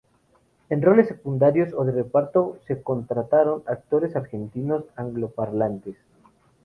En roles secundarios o de reparto se contrataron actores argentinos angloparlantes.